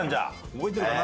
覚えてるかな？